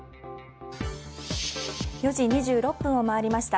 ４時２６分を回りました。